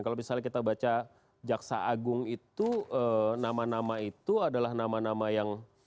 kalau misalnya kita baca jaksa agung itu nama nama itu adalah nama nama yang